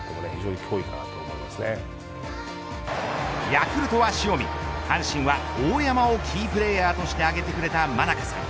ヤクルトは塩見阪神は大山をキープレイヤーとして挙げてくれた真中さん。